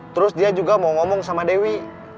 terus dia juga mau ngomong sama dewi